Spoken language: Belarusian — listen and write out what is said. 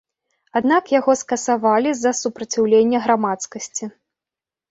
Аднак яго скасавалі з-за супраціўлення грамадскасці.